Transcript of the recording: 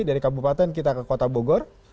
dari kabupaten kita ke kota bogor